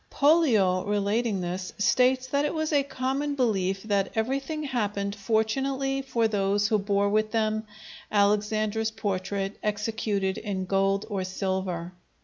Pollio, relating this, states that it was a common belief that everything happened fortunately for those who bore with them Alexander's portrait executed in gold or silver.